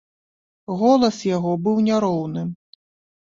Голас яго быў няроўным.